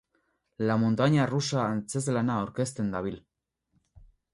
La montaña rusa antzezlana aurkezten dabil.